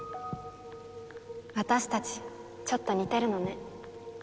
私たちちょっと似てるのね。